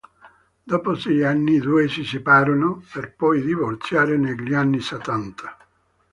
Dopo sei anni i due si separarono, per poi divorziare negli anni settanta.